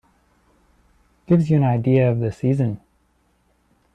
Gives you an idea of the season.